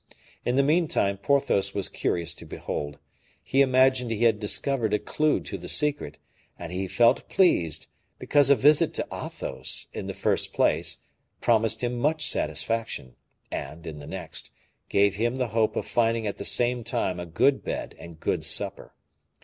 In the meantime Porthos was curious to behold. He imagined he had discovered a clew to the secret, and he felt pleased, because a visit to Athos, in the first place, promised him much satisfaction, and, in the next, gave him the hope of finding at the same time a good bed and good supper.